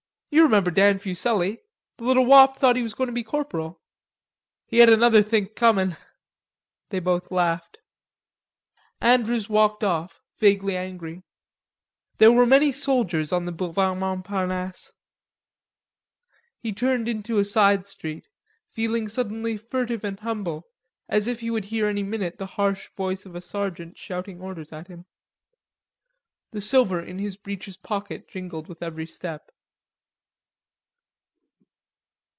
"You remember Dan Fuselli, the little wop thought he was goin' to be corporal." "He had another think comin'." They both laughed. Andrews walked off, vaguely angry. There were many soldiers on the Boulevard Montparnasse. He turned into a side street, feeling suddenly furtive and humble, as if he would hear any minute the harsh voice of a sergeant shouting orders at him. The silver in his breeches pocket jingled with every step.